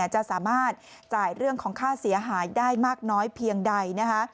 จะสามารถจ่ายเรื่องของค่าเสียหายได้มากน้อยเพียงใดนะคะ